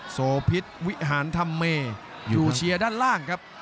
โซพิษวิหารธรรมเมอยู่เชียร์ด้านล่างครับ